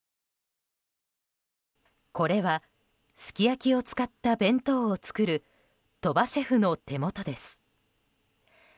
これはすき焼きを使った弁当を作る鳥羽シェフの手元です。